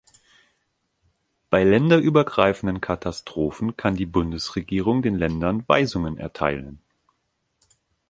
Bei länderübergreifenden Katastrophen kann die Bundesregierung den Ländern Weisungen erteilen.